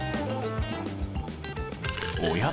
おや？